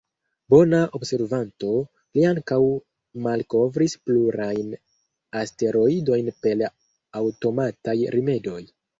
Bona observanto, li ankaŭ malkovris plurajn asteroidojn per aŭtomataj rimedoj.